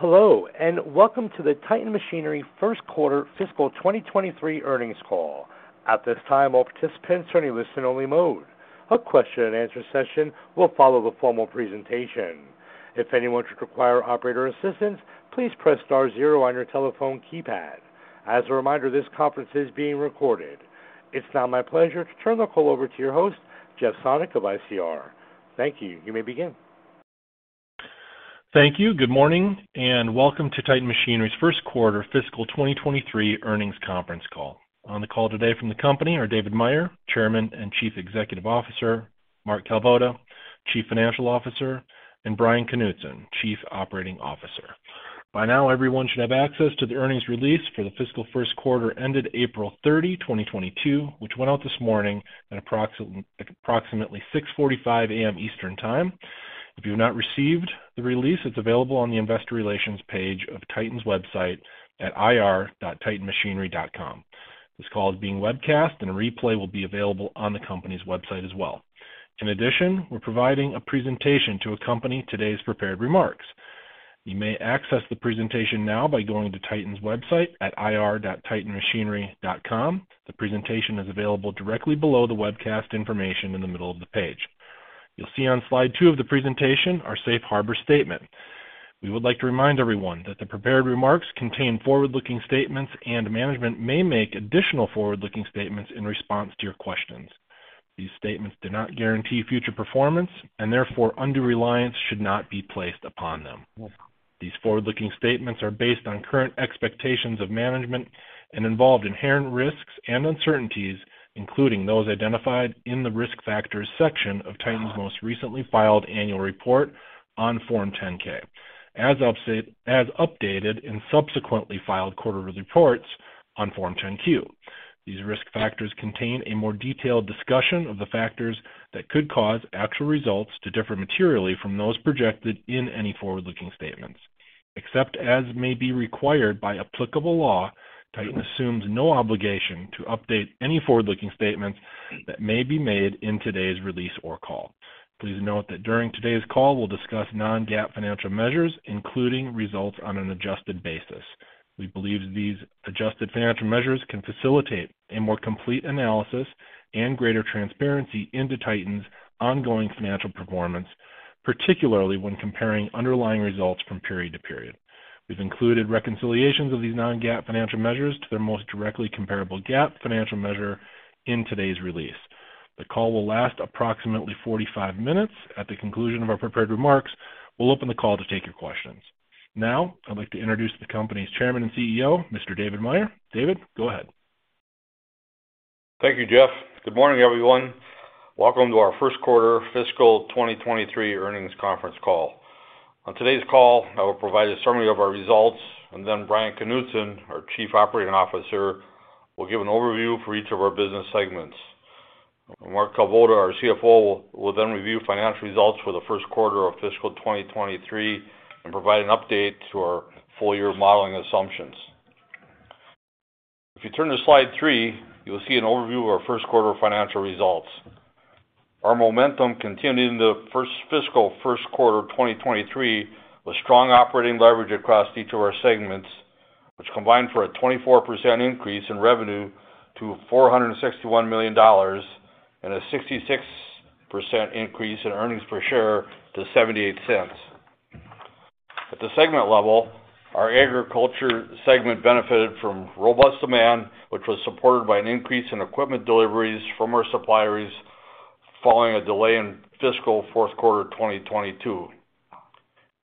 Hello, and welcome to the Titan Machinery first quarter fiscal 2023 earnings call. At this time, all participants are in a listen only mode. A question-and-answer session will follow the formal presentation. If anyone should require operator assistance, please press star zero on your telephone keypad. As a reminder, this conference is being recorded. It's now my pleasure to turn the call over to your host, Jeff Sonnek of ICR. Thank you. You may begin. Thank you. Good morning, and welcome to Titan Machinery's first quarter fiscal 2023 earnings conference call. On the call today from the company are David Meyer, Chairman and Chief Executive Officer, Mark Kalvoda, Chief Financial Officer, and Bryan Knutson, Chief Operating Officer. By now, everyone should have access to the earnings release for the fiscal first quarter ended April 30, 2022, which went out this morning at approximately 6:45 A.M. Eastern Time. If you have not received the release, it's available on the Investor Relations page of Titan's website at ir.titanmachinery.com. This call is being webcast and a replay will be available on the company's website as well. In addition, we're providing a presentation to accompany today's prepared remarks. You may access the presentation now by going to Titan's website at ir.titanmachinery.com. The presentation is available directly below the webcast information in the middle of the page. You'll see on slide two of the presentation our safe harbor statement. We would like to remind everyone that the prepared remarks contain forward-looking statements, and management may make additional forward-looking statements in response to your questions. These statements do not guarantee future performance and therefore undue reliance should not be placed upon them. These forward-looking statements are based on current expectations of management and involve inherent risks and uncertainties, including those identified in the Risk Factors section of Titan's most recently filed annual report on Form 10-K, as updated in subsequently filed quarterly reports on Form 10-Q. These risk factors contain a more detailed discussion of the factors that could cause actual results to differ materially from those projected in any forward-looking statements. Except as may be required by applicable law, Titan assumes no obligation to update any forward-looking statements that may be made in today's release or call. Please note that during today's call, we'll discuss non-GAAP financial measures, including results on an adjusted basis. We believe these adjusted financial measures can facilitate a more complete analysis and greater transparency into Titan's ongoing financial performance, particularly when comparing underlying results from period to period. We've included reconciliations of these non-GAAP financial measures to their most directly comparable GAAP financial measure in today's release. The call will last approximately 45 minutes. At the conclusion of our prepared remarks, we'll open the call to take your questions. Now I'd like to introduce the company's Chairman and CEO, Mr. David Meyer. David, go ahead. Thank you, Jeff. Good morning, everyone. Welcome to our first quarter fiscal 2023 earnings conference call. On today's call, I will provide a summary of our results, and then Bryan Knutson, our Chief Operating Officer, will give an overview for each of our business segments. Mark Kalvoda, our CFO, will then review financial results for the first quarter of fiscal 2023 and provide an update to our full year modeling assumptions. If you turn to slide three, you'll see an overview of our first quarter financial results. Our momentum continued in the first fiscal first quarter of 2023 with strong operating leverage across each of our segments, which combined for a 24% increase in revenue to $461 million and a 66% increase in earnings per share to $0.78. At the segment level, our agriculture segment benefited from robust demand, which was supported by an increase in equipment deliveries from our suppliers following a delay in fiscal fourth quarter of 2022.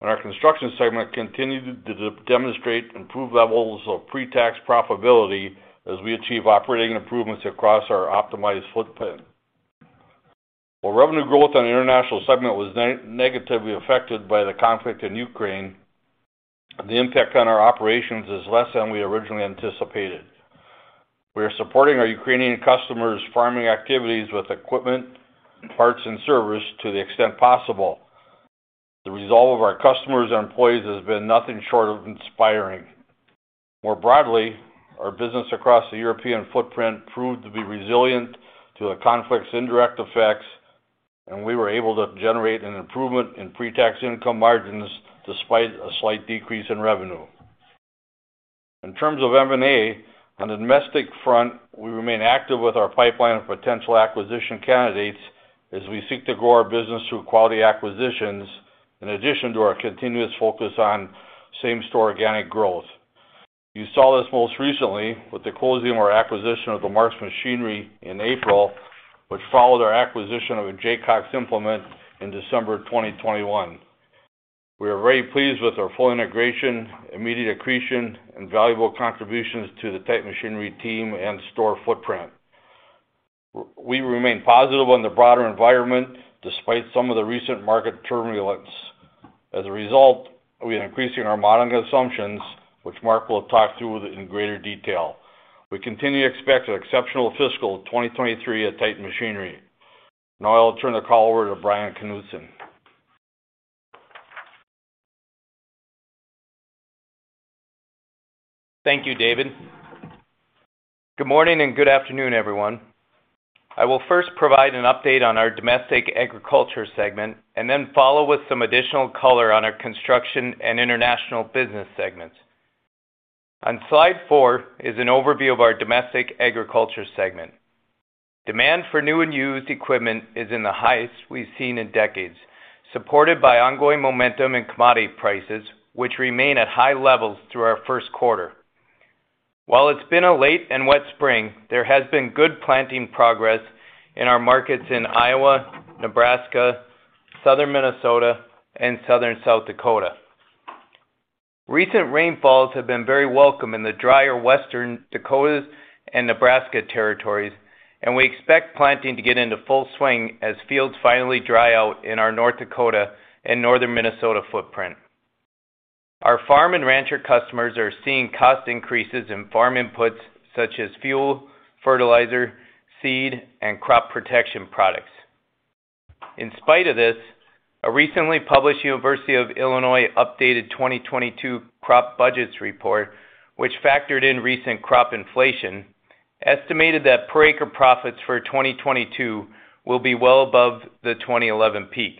Our Construction segment continued to demonstrate improved levels of pre-tax profitability as we achieve operating improvements across our optimized footprint. While revenue growth on the International segment was negatively affected by the conflict in Ukraine, the impact on our operations is less than we originally anticipated. We are supporting our Ukrainian customers' farming activities with equipment, parts, and service to the extent possible. The resolve of our customers and employees has been nothing short of inspiring. More broadly, our business across the European footprint proved to be resilient to the conflict's indirect effects, and we were able to generate an improvement in pre-tax income margins despite a slight decrease in revenue. In terms of M&A, on the domestic front, we remain active with our pipeline of potential acquisition candidates as we seek to grow our business through quality acquisitions in addition to our continuous focus on same-store organic growth. You saw this most recently with the closing of our acquisition of the Mark's Machinery in April, which followed our acquisition of a Jaycox Implement in December 2021. We are very pleased with our full integration, immediate accretion, and valuable contributions to the Titan Machinery team and store footprint. We remain positive on the broader environment despite some of the recent market turbulence. As a result, we are increasing our modeling assumptions, which Mark will talk through with in greater detail. We continue to expect an exceptional fiscal 2023 at Titan Machinery. Now I'll turn the call over to Bryan Knutson. Thank you, David. Good morning, and good afternoon, everyone. I will first provide an update on our Domestic Agriculture segment, and then follow with some additional color on our Construction and International Business segments. On slide four is an overview of our Domestic Agriculture segment. Demand for new and used equipment is at the highest we've seen in decades, supported by ongoing momentum in commodity prices, which remain at high levels through our first quarter. While it's been a late and wet spring, there has been good planting progress in our markets in Iowa, Nebraska, Southern Minnesota, and Southern South Dakota. Recent rainfalls have been very welcome in the drier Western Dakotas and Nebraska territories, and we expect planting to get into full swing as fields finally dry out in our North Dakota and Northern Minnesota footprint. Our farm and rancher customers are seeing cost increases in farm inputs such as fuel, fertilizer, seed, and crop protection products. In spite of this, a recently published University of Illinois updated 2022 crop budgets report, which factored in recent crop inflation, estimated that per acre profits for 2022 will be well above the 2011 peak.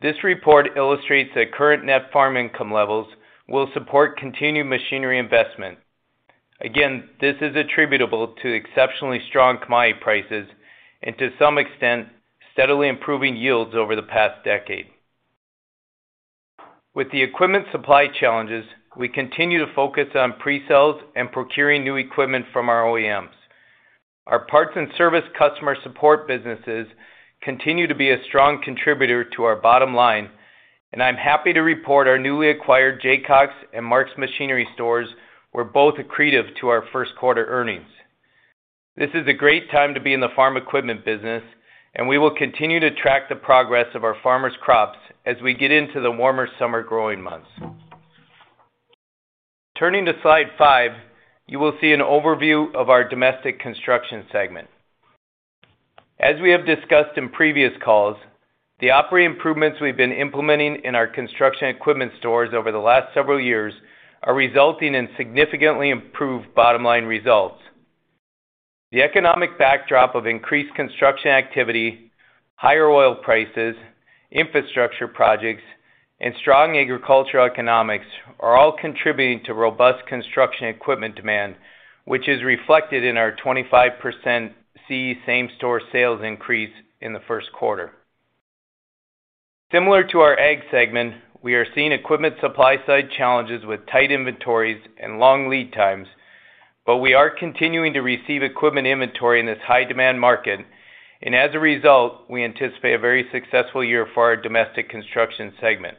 This report illustrates that current net farm income levels will support continued machinery investment. Again, this is attributable to exceptionally strong commodity prices and to some extent, steadily improving yields over the past decade. With the equipment supply challenges, we continue to focus on pre-sales and procuring new equipment from our OEMs. Our parts and service customer support businesses continue to be a strong contributor to our bottom line, and I'm happy to report our newly acquired Jaycox and Mark's Machinery stores were both accretive to our first quarter earnings. This is a great time to be in the farm equipment business, and we will continue to track the progress of our farmers' crops as we get into the warmer summer growing months. Turning to slide five, you will see an overview of our Domestic Construction segment. As we have discussed in previous calls, the operating improvements we've been implementing in our construction equipment stores over the last several years are resulting in significantly improved bottom-line results. The economic backdrop of increased construction activity, higher oil prices, infrastructure projects, and strong agricultural economics are all contributing to robust construction equipment demand, which is reflected in our 25% CE same-store sales increase in the first quarter. Similar to our Ag segment, we are seeing equipment supply side challenges with tight inventories and long lead times. We are continuing to receive equipment inventory in this high demand market. As a result, we anticipate a very successful year for our Domestic Construction segment.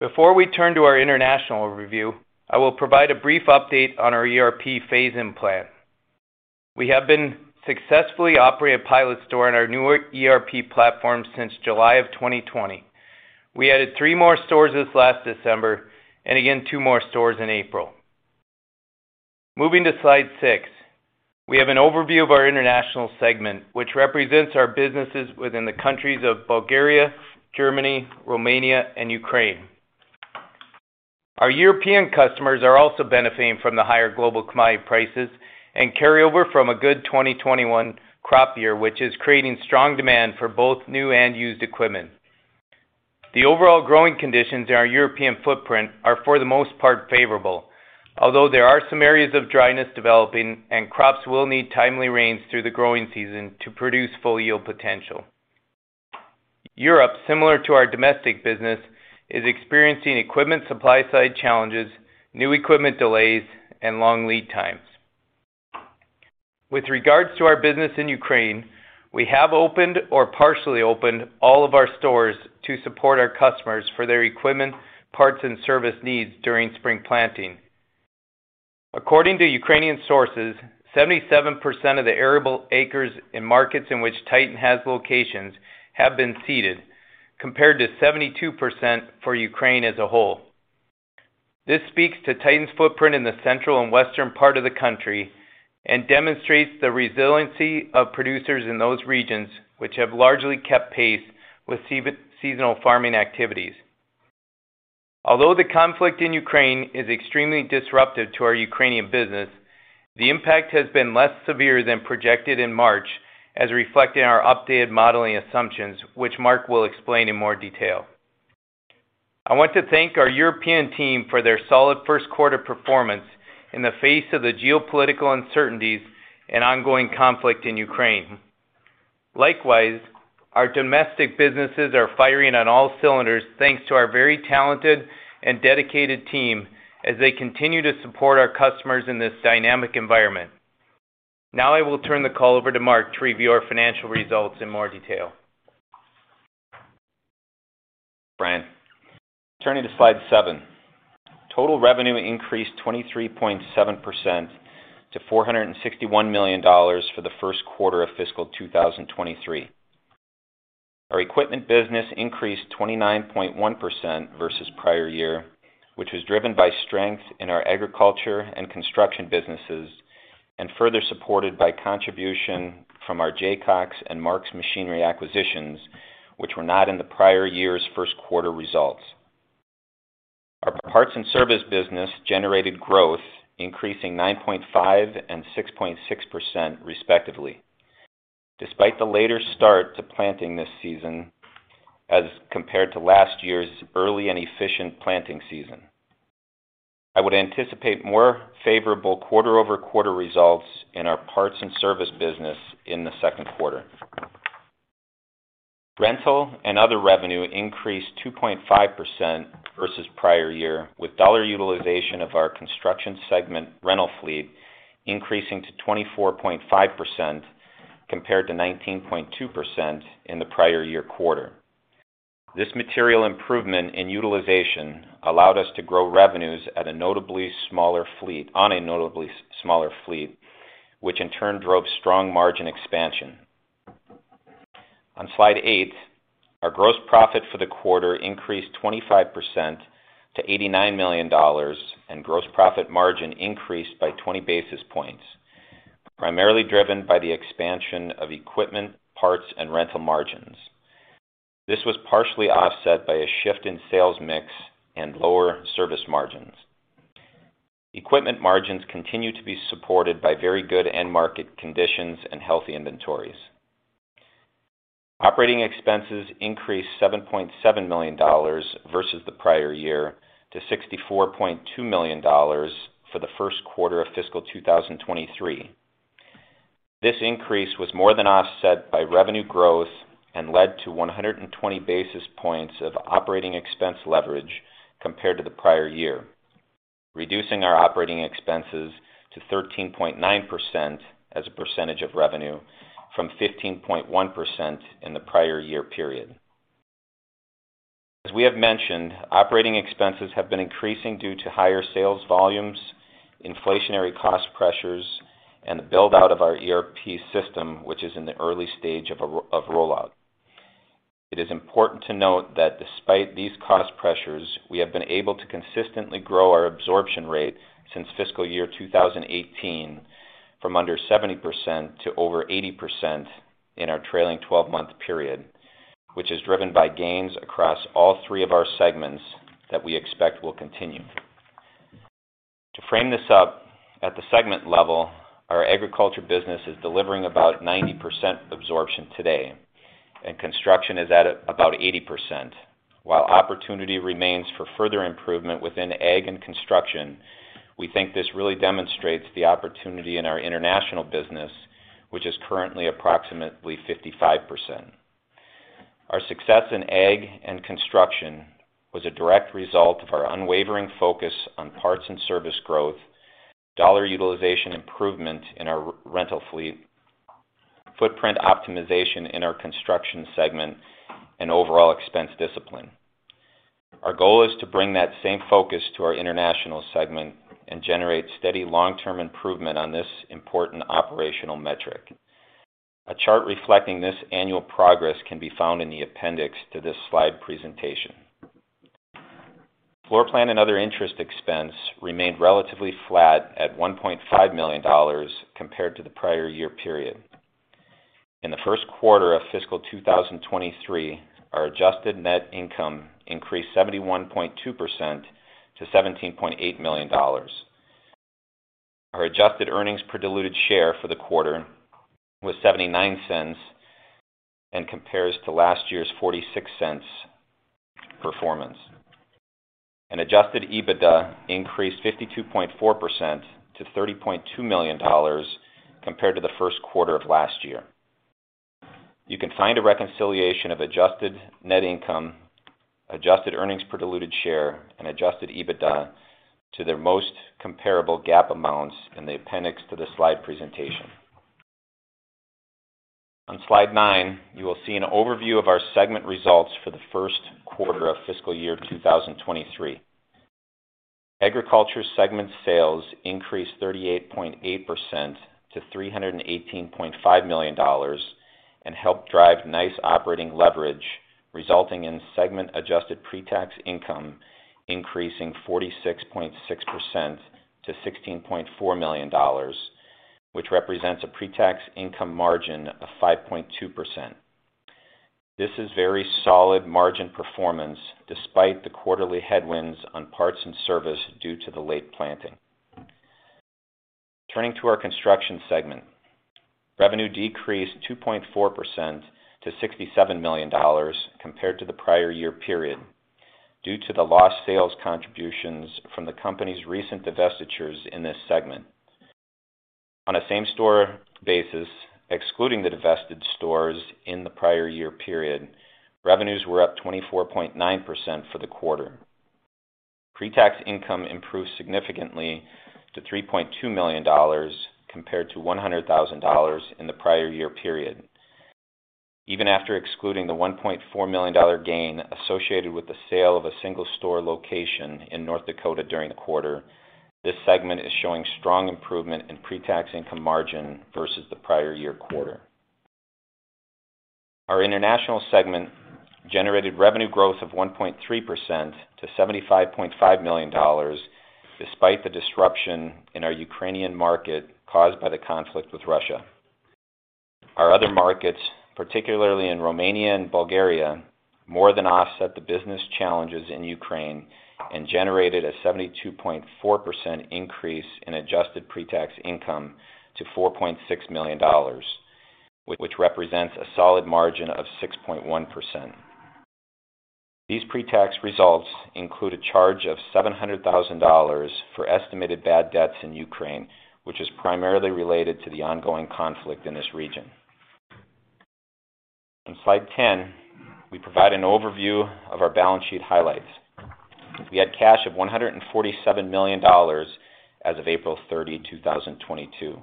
Before we turn to our international review, I will provide a brief update on our ERP phase-in plan. We have been successfully operating a pilot store in our newer ERP platform since July of 2020. We added three more stores this last December, and again, two more stores in April. Moving to slide six, we have an overview of our International segment, which represents our businesses within the countries of Bulgaria, Germany, Romania, and Ukraine. Our European customers are also benefiting from the higher global commodity prices and carryover from a good 2021 crop year, which is creating strong demand for both new and used equipment. The overall growing conditions in our European footprint are for the most part favorable, although there are some areas of dryness developing and crops will need timely rains through the growing season to produce full yield potential. Europe, similar to our domestic business, is experiencing equipment supply side challenges, new equipment delays, and long lead times. With regards to our business in Ukraine, we have opened or partially opened all of our stores to support our customers for their equipment, parts, and service needs during spring planting. According to Ukrainian sources, 77% of the arable acres in markets in which Titan has locations have been seeded, compared to 72% for Ukraine as a whole. This speaks to Titan's footprint in the central and western part of the country and demonstrates the resiliency of producers in those regions, which have largely kept pace with seasonal farming activities. Although the conflict in Ukraine is extremely disruptive to our Ukrainian business, the impact has been less severe than projected in March as reflected in our updated modeling assumptions, which Mark will explain in more detail. I want to thank our European team for their solid first quarter performance in the face of the geopolitical uncertainties and ongoing conflict in Ukraine. Likewise, our domestic businesses are firing on all cylinders, thanks to our very talented and dedicated team as they continue to support our customers in this dynamic environment. Now I will turn the call over to Mark to review our financial results in more detail. Bryan. Turning to slide seven. Total revenue increased 23.7% to $461 million for the first quarter of fiscal 2023. Our equipment business increased 29.1% versus prior year, which was driven by strength in our agriculture and construction businesses. Further supported by contribution from our Jaycox and Mark's Machinery acquisitions, which were not in the prior year's first quarter results. Our parts and service business generated growth increasing 9.5% and 6.6% respectively. Despite the later start to planting this season as compared to last year's early and efficient planting season. I would anticipate more favorable quarter-over-quarter results in our parts and service business in the second quarter. Rental and other revenue increased 2.5% versus prior year, with dollar utilization of our Construction segment rental fleet increasing to 24.5% compared to 19.2% in the prior year quarter. This material improvement in utilization allowed us to grow revenues on a notably smaller fleet, which in turn drove strong margin expansion. On slide eight, our gross profit for the quarter increased 25% to $89 million, and gross profit margin increased by 20 basis points, primarily driven by the expansion of equipment, parts, and rental margins. This was partially offset by a shift in sales mix and lower service margins. Equipment margins continue to be supported by very good end market conditions and healthy inventories. Operating expenses increased $7.7 million versus the prior year to $64.2 million for the first quarter of fiscal 2023. This increase was more than offset by revenue growth and led to 120 basis points of operating expense leverage compared to the prior year, reducing our operating expenses to 13.9% as a percentage of revenue from 15.1% in the prior year period. As we have mentioned, operating expenses have been increasing due to higher sales volumes, inflationary cost pressures, and the build-out of our ERP system, which is in the early stage of a rollout. It is important to note that despite these cost pressures, we have been able to consistently grow our absorption rate since fiscal year 2018 from under 70% to over 80% in our trailing twelve-month period, which is driven by gains across all three of our segments that we expect will continue. To frame this up at the segment level, our agriculture business is delivering about 90% absorption today, and construction is at about 80%. While opportunity remains for further improvement within ag and construction, we think this really demonstrates the opportunity in our international business, which is currently approximately 55%. Our success in Ag and Construction was a direct result of our unwavering focus on parts and service growth, dollar utilization improvement in our rental fleet, footprint optimization in our Construction segment, and overall expense discipline. Our goal is to bring that same focus to our International segment and generate steady long-term improvement on this important operational metric. A chart reflecting this annual progress can be found in the appendix to this slide presentation. Floor plan and other interest expense remained relatively flat at $1.5 million compared to the prior year period. In the first quarter of fiscal 2023, our adjusted net income increased 71.2% to $17.8 million. Our adjusted earnings per diluted share for the quarter was $0.79 and compares to last year's $0.46 performance. Adjusted EBITDA increased 52.4% to $30.2 million compared to the first quarter of last year. You can find a reconciliation of adjusted net income, adjusted earnings per diluted share, and adjusted EBITDA to their most comparable GAAP amounts in the appendix to this slide presentation. On slide nine, you will see an overview of our segment results for the first quarter of fiscal year 2023. Agriculture segment sales increased 38.8% to $318.5 million and helped drive nice operating leverage, resulting in segment adjusted pre-tax income increasing 46.6% to $16.4 million, which represents a pre-tax income margin of 5.2%. This is very solid margin performance despite the quarterly headwinds on parts and service due to the late planting. Turning to our Construction segment. Revenue decreased 2.4% to $67 million compared to the prior year period due to the lost sales contributions from the company's recent divestitures in this segment. On a same-store basis, excluding the divested stores in the prior year period, revenues were up 24.9% for the quarter. Pre-tax income improved significantly to $3.2 million compared to $100,000 in the prior year period. Even after excluding the $1.4 million dollar gain associated with the sale of a single store location in North Dakota during the quarter, this segment is showing strong improvement in pre-tax income margin versus the prior year quarter. Our International segment generated revenue growth of 1.3% to $75.5 million despite the disruption in our Ukrainian market caused by the conflict with Russia. Our other markets, particularly in Romania and Bulgaria, more than offset the business challenges in Ukraine and generated a 72.4% increase in adjusted pre-tax income to $4.6 million, which represents a solid margin of 6.1%. These pre-tax results include a charge of $700,000 for estimated bad debts in Ukraine, which is primarily related to the ongoing conflict in this region. On slide 10, we provide an overview of our balance sheet highlights. We had cash of $147 million as of April 30, 2022.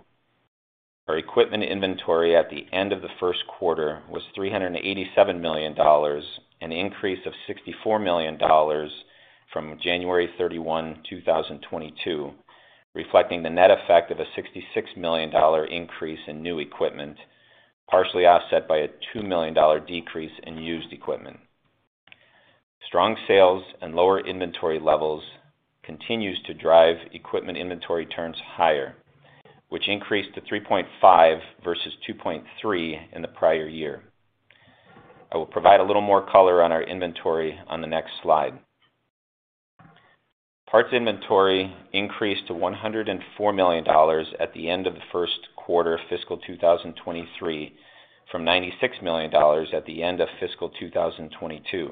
Our equipment inventory at the end of the first quarter was $387 million, an increase of $64 million from January 31, 2022, reflecting the net effect of a $66 million increase in new equipment, partially offset by a $2 million decrease in used equipment. Strong sales and lower inventory levels continues to drive equipment inventory turns higher, which increased to 3.5 versus 2.3 in the prior year. I will provide a little more color on our inventory on the next slide. Parts inventory increased to $104 million at the end of the first quarter of fiscal 2023 from $96 million at the end of fiscal 2022.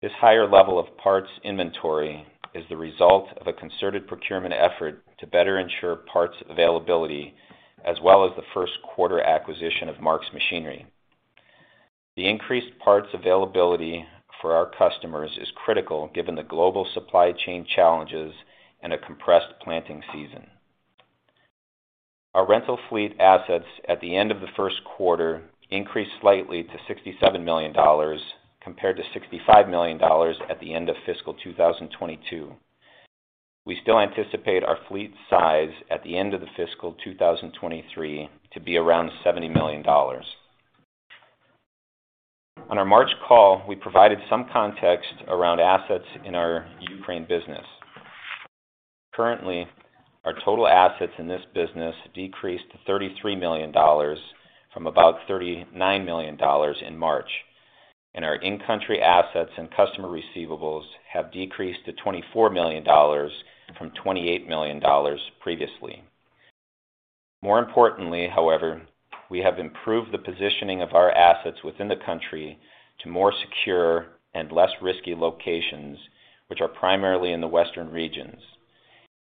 This higher level of parts inventory is the result of a concerted procurement effort to better ensure parts availability as well as the first quarter acquisition of Mark's Machinery. The increased parts availability for our customers is critical given the global supply chain challenges and a compressed planting season. Our rental fleet assets at the end of the first quarter increased slightly to $67 million compared to $65 million at the end of fiscal 2022. We still anticipate our fleet size at the end of the fiscal 2023 to be around $70 million. On our March call, we provided some context around assets in our Ukraine business. Currently, our total assets in this business decreased to $33 million from about $39 million in March, and our in-country assets and customer receivables have decreased to $24 million from $28 million previously. More importantly, however, we have improved the positioning of our assets within the country to more secure and less risky locations, which are primarily in the western regions.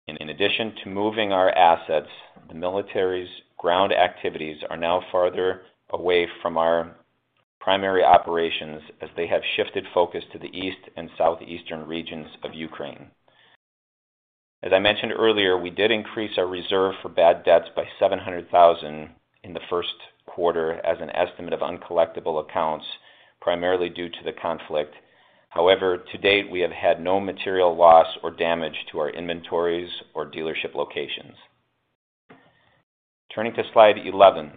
In addition to moving our assets, the military's ground activities are now farther away from our primary operations as they have shifted focus to the east and southeastern regions of Ukraine. As I mentioned earlier, we did increase our reserve for bad debts by $700,000 in the first quarter as an estimate of uncollectible accounts, primarily due to the conflict. However, to date, we have had no material loss or damage to our inventories or dealership locations. Turning to slide 11.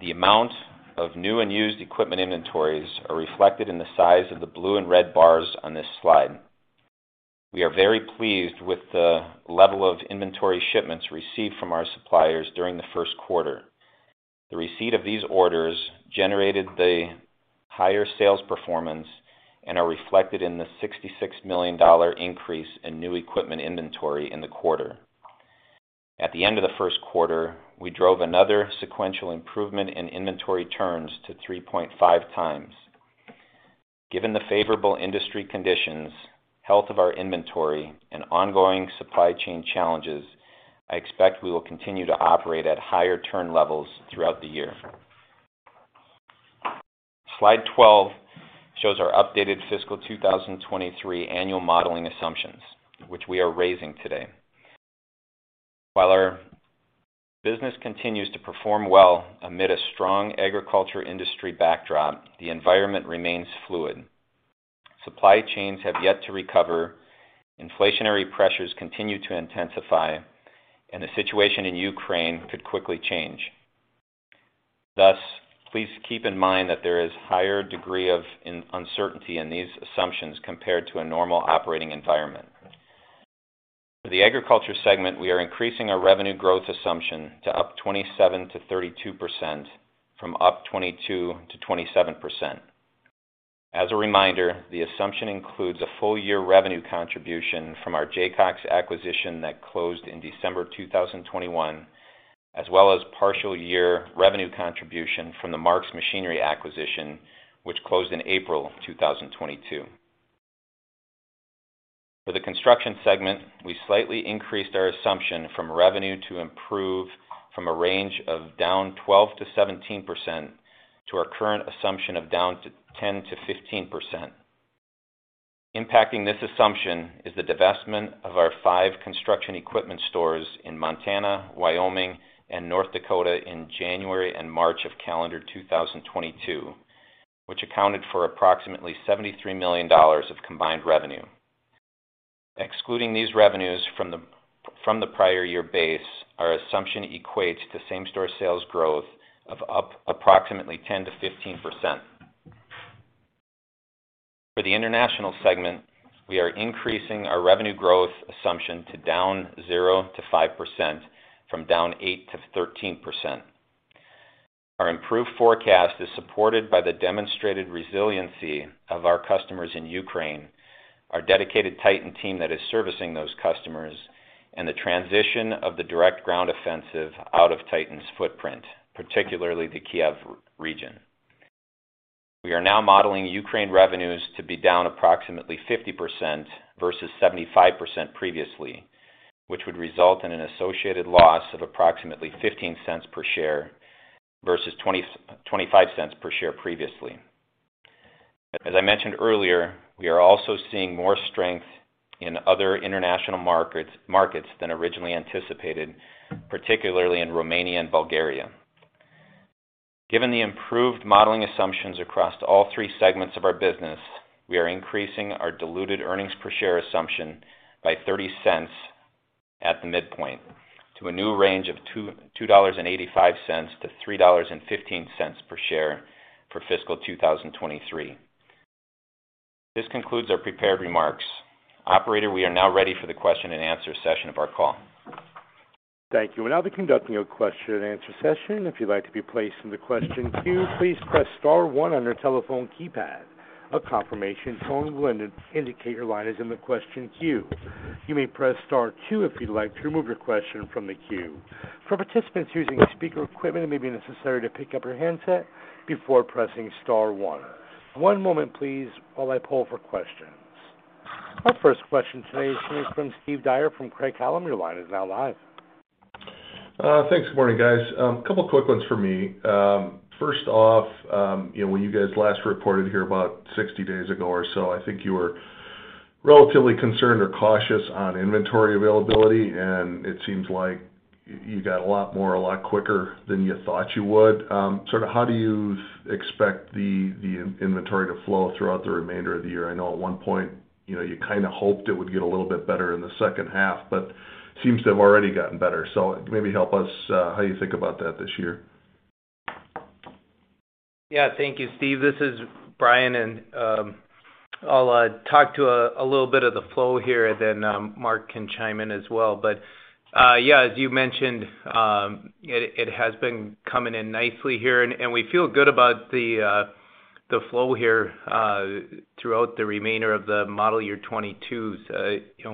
The amount of new and used equipment inventories are reflected in the size of the blue and red bars on this slide. We are very pleased with the level of inventory shipments received from our suppliers during the first quarter. The receipt of these orders generated the higher sales performance and are reflected in the $66 million increase in new equipment inventory in the quarter. At the end of the first quarter, we drove another sequential improvement in inventory turns to 3.5x. Given the favorable industry conditions, health of our inventory, and ongoing supply chain challenges, I expect we will continue to operate at higher turn levels throughout the year. Slide 12 shows our updated fiscal 2023 annual modeling assumptions, which we are raising today. While our business continues to perform well amid a strong agriculture industry backdrop, the environment remains fluid. Supply chains have yet to recover, inflationary pressures continue to intensify, and the situation in Ukraine could quickly change. Thus, please keep in mind that there is higher degree of uncertainty in these assumptions compared to a normal operating environment. For the agriculture segment, we are increasing our revenue growth assumption to up 27%-32% from up 22%-27%. As a reminder, the assumption includes a full year revenue contribution from our Jaycox acquisition that closed in December 2021, as well as partial year revenue contribution from the Mark's Machinery acquisition, which closed in April 2022. For the Construction segment, we slightly increased our revenue assumption to improve from a range of down 12%-17% to our current assumption of down 10%-15%. Impacting this assumption is the divestment of our five construction equipment stores in Montana, Wyoming, and North Dakota in January and March of calendar 2022, which accounted for approximately $73 million of combined revenue. Excluding these revenues from the prior year base, our assumption equates to same-store sales growth of up approximately 10%-15%. For the International segment, we are increasing our revenue growth assumption to down 0%-5% from down 8%-13%. Our improved forecast is supported by the demonstrated resiliency of our customers in Ukraine, our dedicated Titan team that is servicing those customers, and the transition of the direct ground offensive out of Titan's footprint, particularly the Kyiv region. We are now modeling Ukraine revenues to be down approximately 50% versus 75% previously, which would result in an associated loss of approximately $0.15 per share versus $0.25 per share previously. As I mentioned earlier, we are also seeing more strength in other international markets than originally anticipated, particularly in Romania and Bulgaria. Given the improved modeling assumptions across all three segments of our business, we are increasing our diluted earnings per share assumption by $0.30 at the midpoint to a new range of $2.85-$3.15 per share for fiscal 2023. This concludes our prepared remarks. Operator, we are now ready for the question-and-answer session of our call. Thank you. We're now conducting your question-and-answer session. If you'd like to be placed in the question queue, please press star one on your telephone keypad. A confirmation tone will indicate your line is in the question queue. You may press star two if you'd like to remove your question from the queue. For participants using speaker equipment, it may be necessary to pick up your handset before pressing star one. One moment please while I poll for questions. Our first question today is from Steve Dyer from Craig-Hallum. Your line is now live. Thanks. Good morning, guys. Couple quick ones for me. First off, you know, when you guys last reported here about 60 days ago or so, I think you were relatively concerned or cautious on inventory availability, and it seems like you got a lot more, a lot quicker than you thought you would. Sort of how do you expect the inventory to flow throughout the remainder of the year? I know at one point, you know, you kinda hoped it would get a little bit better in the second half, but seems to have already gotten better. Maybe help us how you think about that this year. Yeah. Thank you, Steve. This is Bryan, and I'll talk a little bit of the flow here, and then Mark can chime in as well. Yeah, as you mentioned, it has been coming in nicely here, and we feel good about the flow here throughout the remainder of the model year 2022s. You know,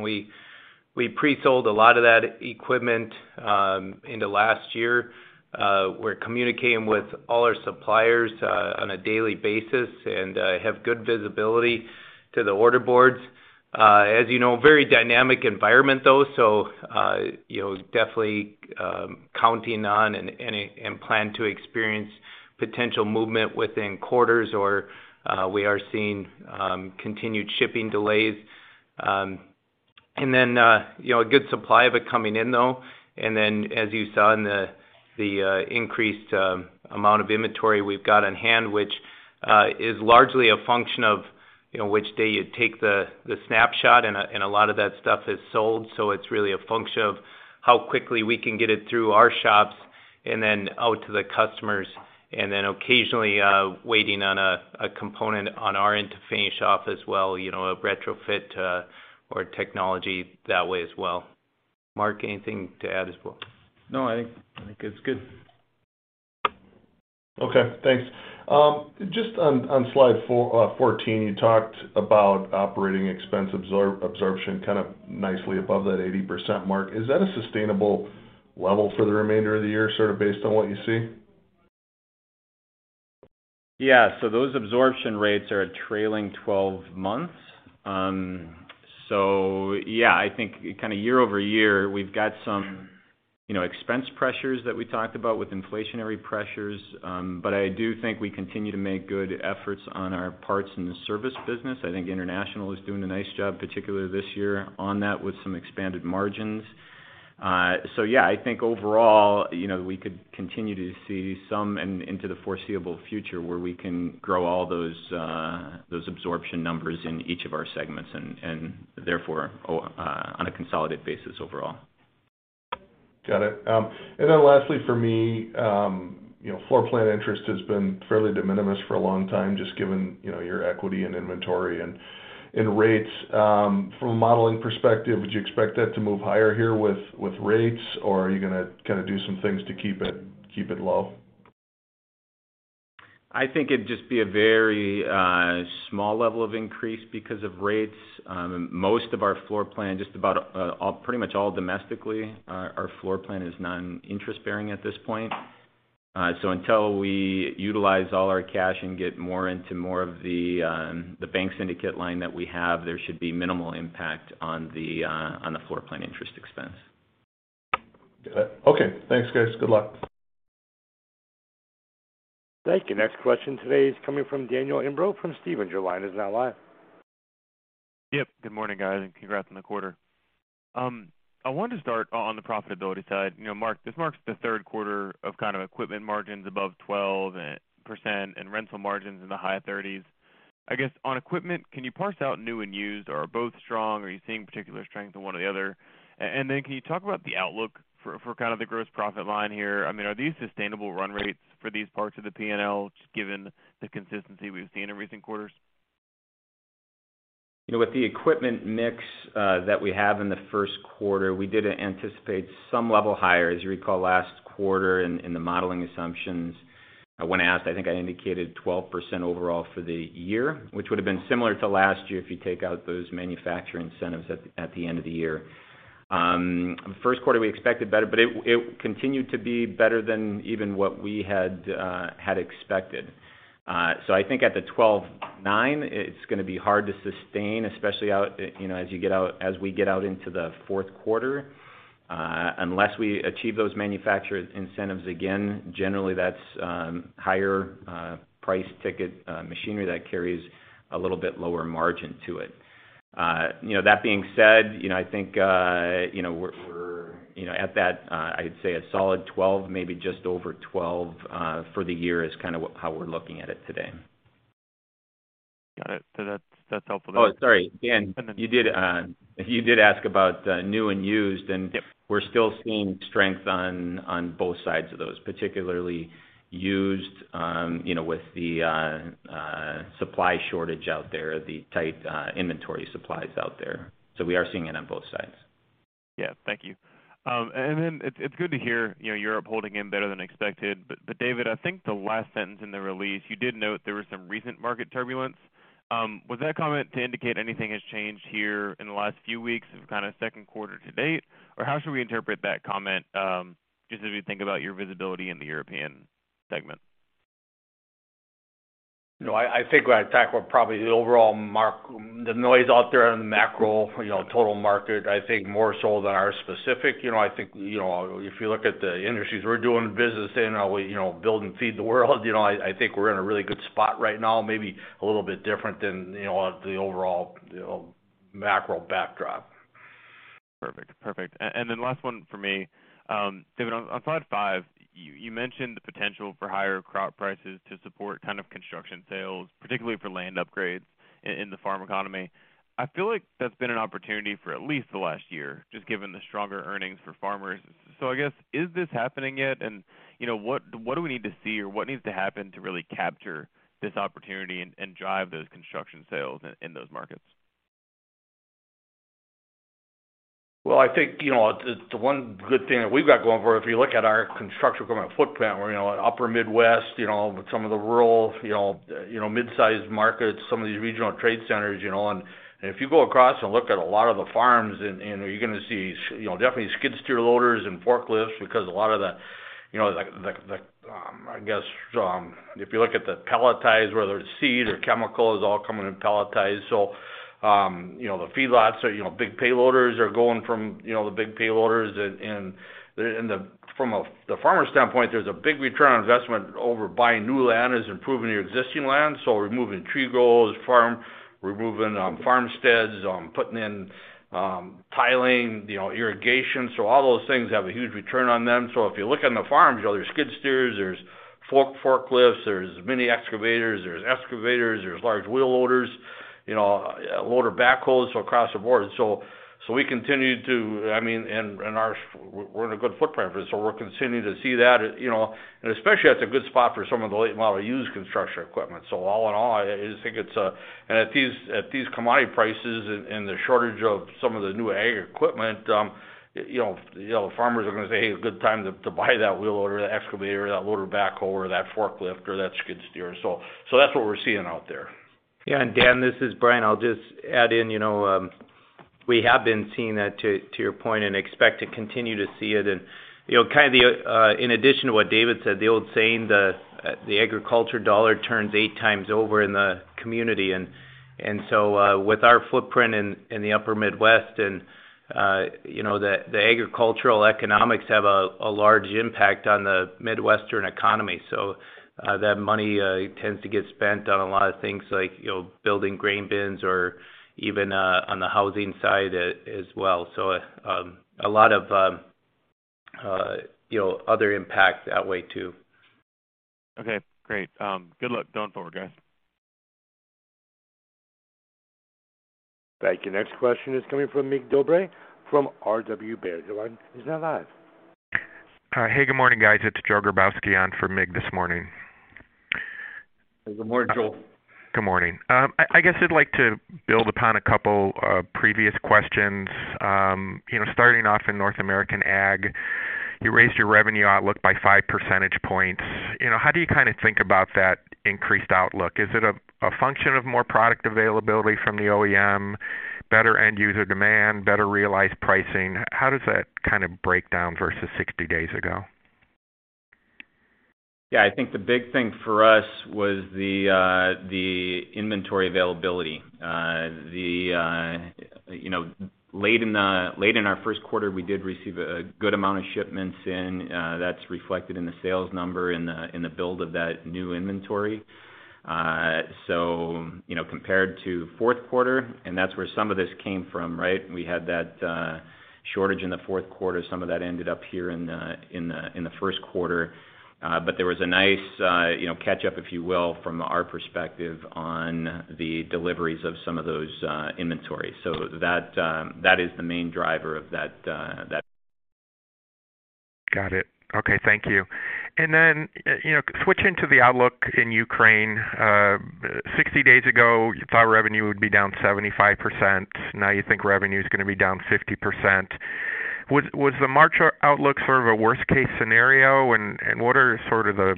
we pre-sold a lot of that equipment in the last year. We're communicating with all our suppliers on a daily basis and have good visibility to the order boards. As you know, very dynamic environment though, so you know, definitely counting on and plan to experience potential movement within quarters or we are seeing continued shipping delays. And then you know, a good supply of it coming in though. As you saw in the increased amount of inventory we've got on hand, which is largely a function of you know, which day you take the snapshot and a lot of that stuff is sold, so it's really a function of how quickly we can get it through our shops and then out to the customers, and then occasionally waiting on a component on our end to finish off as well, you know, a retrofit or technology that way as well. Mark, anything to add as well? No, I think it's good. Okay, thanks. Just on slide 14, you talked about operating expense absorption kind of nicely above that 80% mark. Is that a sustainable level for the remainder of the year, sort of based on what you see? Yeah. Those absorption rates are a trailing twelve months. Yeah, I think kinda year-over-year, we've got some, you know, expense pressures that we talked about with inflationary pressures. I do think we continue to make good efforts on our parts in the service business. I think international is doing a nice job, particularly this year on that, with some expanded margins. Yeah, I think overall, you know, we could continue to see some and into the foreseeable future where we can grow all those absorption numbers in each of our segments and therefore on a consolidated basis overall. Got it. Lastly for me, you know, floor plan interest has been fairly de minimis for a long time, just given, you know, your equity and inventory and rates. From a modeling perspective, would you expect that to move higher here with rates, or are you gonna kinda do some things to keep it low? I think it'd just be a very, small level of increase because of rates. Most of our floor plan, just about, pretty much all domestically, our floor plan is non-interest bearing at this point. So until we utilize all our cash and get more into more of the bank syndicate line that we have, there should be minimal impact on the, on the floor plan interest expense. Got it. Okay. Thanks, guys. Good luck. Thank you. Next question today is coming from Daniel Imbro from Stephens. Your line is now live. Yep. Good morning, guys, and congrats on the quarter. I wanted to start on the profitability side. You know, Mark, this marks the third quarter of kind of equipment margins above 12% and rental margins in the high 30s%. I guess, on equipment, can you parse out new and used? Are both strong? Are you seeing particular strength in one or the other? Then can you talk about the outlook for kind of the gross profit line here? I mean, are these sustainable run rates for these parts of the P&L, just given the consistency we've seen in recent quarters? You know, with the equipment mix that we have in the first quarter, we did anticipate some level higher. As you recall, last quarter in the modeling assumptions, when asked, I think I indicated 12% overall for the year, which would've been similar to last year if you take out those manufacturer incentives at the end of the year. First quarter, we expected better, but it continued to be better than even what we had expected. So I think at the 12.9%, it's gonna be hard to sustain, especially, you know, as we get out into the fourth quarter, unless we achieve those manufacturer incentives again. Generally, that's higher price ticket machinery that carries a little bit lower margin to it. You know, that being said, you know, I think, you know, we're at that. I'd say a solid 12%, maybe just over 12%, for the year is kind of how we're looking at it today. Got it. That's helpful to know. Oh, sorry. Dan, you did ask about new and used. Yep. We're still seeing strength on both sides of those, particularly used, you know, with the supply shortage out there, the tight inventory supplies out there. We are seeing it on both sides. Yeah. Thank you. Then it's good to hear, you know, Europe holding in better than expected. David, I think the last sentence in the release, you did note there was some recent market turbulence. Was that comment to indicate anything has changed here in the last few weeks of kind of second quarter to date? Or how should we interpret that comment, just as we think about your visibility in the European segment? No, I think when I tackle probably the overall macro, the noise out there in the macro, you know, total market, I think more so than our specific. You know, I think, you know, if you look at the industries we're doing business in, we, you know, build and feed the world, you know. I think we're in a really good spot right now, maybe a little bit different than, you know, the overall, you know, macro backdrop. Perfect. last one for me. David, on slide five, you mentioned the potential for higher crop prices to support kind of construction sales, particularly for land upgrades in the farm economy. I feel like that's been an opportunity for at least the last year, just given the stronger earnings for farmers. I guess, is this happening yet? You know, what do we need to see, or what needs to happen to really capture this opportunity and drive those construction sales in those markets? Well, I think, you know, the one good thing that we've got going for, if you look at our construction equipment footprint, we're, you know, upper Midwest, you know, with some of the rural, you know, mid-sized markets, some of these regional trade centers, you know. If you go across and look at a lot of the farms and you're gonna see you know, definitely skid steer loaders and forklifts because a lot of the, you know, the I guess, if you look at the pelletized, whether it's seed or chemicals, all coming in pelletized. You know, the feedlots or, you know, big payloaders are going from, you know, the big payloaders in, in the. From the farmer standpoint, there's a big return on investment over buying new land is improving your existing land, removing tree rows, farmsteads, putting in tiling, you know, irrigation. All those things have a huge return on them. If you look on the farms, you know, there's skid steers, there's forklifts, there's mini excavators, there's excavators, there's large wheel loaders, you know, loader backhoes, across the board. We continue to, I mean, we're in a good footprint for this, we're continuing to see that, you know. Especially that's a good spot for some of the late model used construction equipment. All in all, I just think it's at these commodity prices and the shortage of some of the new Ag equipment, you know, farmers are gonna say, "Hey, a good time to buy that wheel loader, the excavator, that loader backhoe or that forklift or that skid steer." That's what we're seeing out there. Yeah. Dan, this is Bryan. I'll just add in, you know, we have been seeing that to your point and expect to continue to see it. You know, in addition to what David said, the old saying that the agriculture dollar turns eight times over in the community. With our footprint in the Upper Midwest and, you know, the agricultural economics have a large impact on the Midwestern economy. That money tends to get spent on a lot of things like, you know, building grain bins or even on the housing side as well. A lot of, you know, other impacts that way too. Okay, great. Good luck going forward, guys. Thank you. Next question is coming from Mircea Dobre from RW Baird. Your line is now live. Hey, good morning, guys. It's Joel Grabowski on for Mircea this morning. Good morning, Joel. Good morning. I guess I'd like to build upon a couple previous questions. You know, starting off in North American Ag, you raised your revenue outlook by 5 percentage points. You know, how do you kinda think about that increased outlook? Is it a function of more product availability from the OEM, better end user demand, better realized pricing? How does that kind of break down versus 60 days ago? Yeah. I think the big thing for us was the inventory availability. The, you know, late in our first quarter, we did receive a good amount of shipments in. That's reflected in the sales number in the build of that new inventory. You know, compared to fourth quarter, and that's where some of this came from, right? We had that shortage in the fourth quarter. Some of that ended up here in the first quarter. There was a nice, you know, catch up, if you will, from our perspective on the deliveries of some of those inventories. That is the main driver of that. Got it. Okay, thank you. Then, you know, switching to the outlook in Ukraine, 60 days ago, you thought revenue would be down 75%, now you think revenue is gonna be down 50%. Was the March outlook sort of a worst case scenario? What are sort of the,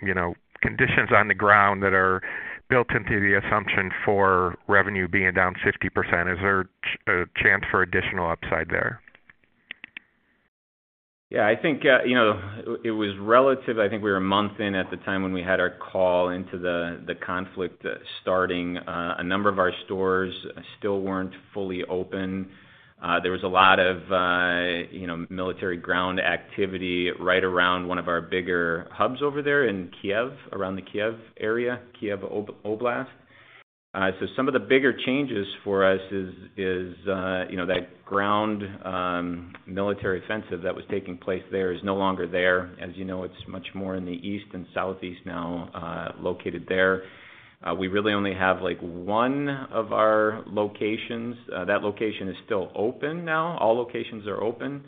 you know, conditions on the ground that are built into the assumption for revenue being down 50%? Is there a chance for additional upside there? Yeah, I think, you know, it was relative. I think we were a month in at the time when we had our call into the conflict starting. A number of our stores still weren't fully open. There was a lot of, you know, military ground activity right around one of our bigger hubs over there in Kyiv, around the Kyiv area, Kyiv Oblast. So some of the bigger changes for us is, you know, that ground military offensive that was taking place there is no longer there. As you know, it's much more in the east and southeast now, located there. We really only have, like, one of our locations. That location is still open now. All locations are open,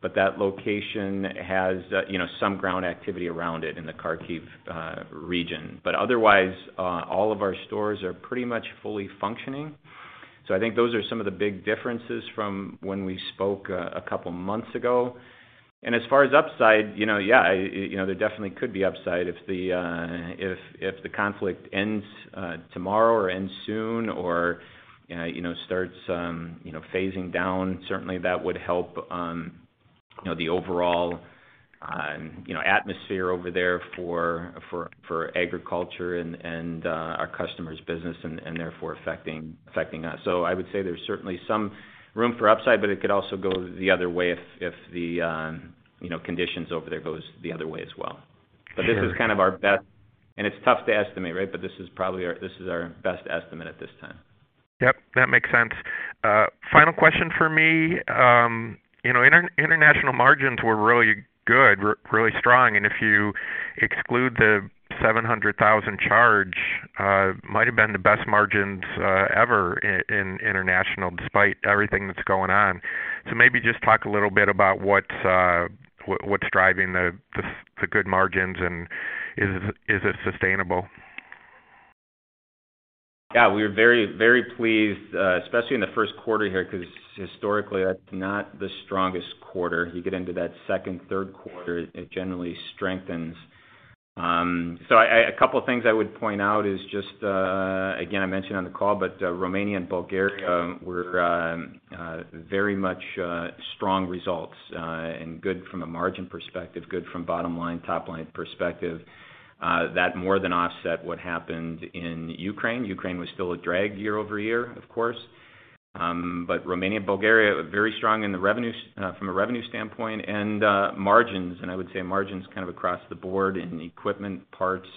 but that location has, you know, some ground activity around it in the Kharkiv region. Otherwise, all of our stores are pretty much fully functioning. I think those are some of the big differences from when we spoke a couple months ago. As far as upside, you know, yeah, you know, there definitely could be upside if the conflict ends tomorrow or ends soon or, you know, starts, you know, phasing down, certainly that would help, you know, the overall, you know, atmosphere over there for agriculture and our customers' business and therefore affecting us. I would say there's certainly some room for upside, but it could also go the other way if, you know, conditions over there goes the other way as well. This is kind of our best. It's tough to estimate, right? this is our best estimate at this time. Yep, that makes sense. Final question for me. You know, international margins were really good, really strong. If you exclude the $700,000 charge, might have been the best margins ever in international despite everything that's going on. Maybe just talk a little bit about what's driving the good margins and is it sustainable? Yeah, we were very, very pleased, especially in the first quarter here, 'cause historically, that's not the strongest quarter. You get into that second, third quarter, it generally strengthens. A couple of things I would point out is just, again, I mentioned on the call, but Romania and Bulgaria were very much strong results, and good from a margin perspective, good from bottom line, top line perspective. That more than offset what happened in Ukraine. Ukraine was still a drag year-over-year, of course. But Romania and Bulgaria were very strong in the revenues from a revenue standpoint and margins, and I would say margins kind of across the board in equipment, parts,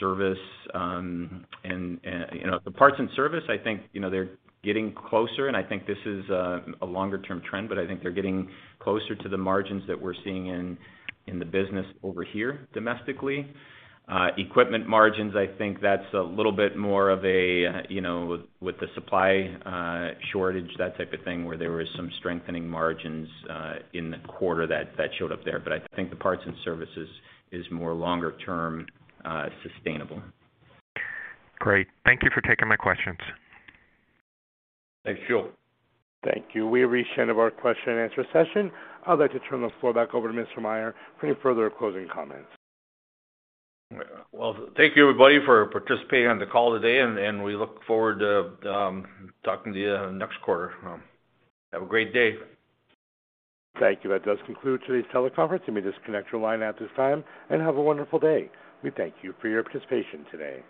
service. You know, the parts and service, I think, you know, they're getting closer, and I think this is a longer term trend, but I think they're getting closer to the margins that we're seeing in the business over here domestically. Equipment margins, I think that's a little bit more of a, you know, with the supply shortage, that type of thing, where there was some strengthening margins in the quarter that showed up there. But I think the parts and services is more longer term sustainable. Great. Thank you for taking my questions. Thanks, Joel. Thank you. We reached the end of our question-and-answer session. I'd like to turn the floor back over to Mr. Meyer for any further closing comments. Well, thank you, everybody, for participating on the call today, and we look forward to talking to you next quarter. Have a great day. Thank you. That does conclude today's teleconference. You may disconnect your line at this time, and have a wonderful day. We thank you for your participation today.